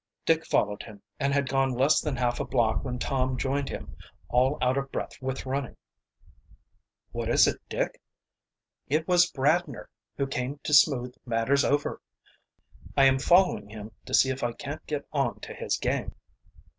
Dick followed him, and had gone less than half a block when Tom joined him, all out of breath with running. "What is it, Dick?" "It was Bradner, who came to smooth matters over. I am following him to see if I can't get on to his game."